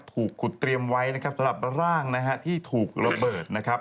ถูกขุดเตรียมไว้นะครับสำหรับร่างนะฮะที่ถูกระเบิดนะครับ